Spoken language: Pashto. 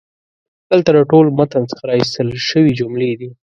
دلته د ټول متن څخه را ایستل شوي جملې دي: